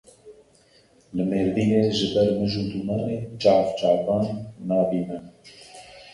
Li Mêrdînê ji ber mij û dûmanê çav çavan nabînin.